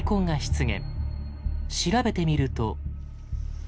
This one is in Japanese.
調べてみると。